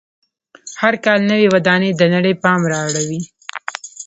هر کال نوې ودانۍ د نړۍ پام را اړوي.